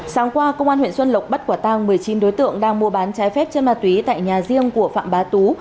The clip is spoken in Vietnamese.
sáng qua công an huyện xuân lộc bắt quả tang một mươi chín đối tượng đang mua bán trái phép chân ma túy tại nhà riêng của phạm bá tú